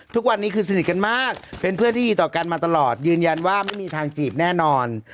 ทุกวันนี้คือสนิทกันมากเป็นเพื่อนที่ดีต่อกันมาตลอดยืนยันว่าไม่มีทางจีบแน่นอน